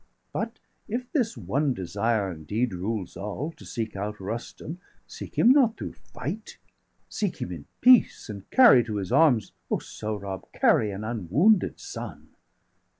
But, if this one desire indeed rules all, To seek out Rustum seek him not through fight! 75 Seek him in peace, and carry to his arms, O Sohrab, carry an unwounded son!